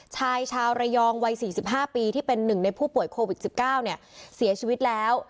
ชายชาวระยองวัยสี่สิบห้าปีที่เป็นหนึ่งในผู้ป่วยโควิดสิบเก้าเนี่ยเสียชีวิตแล้ว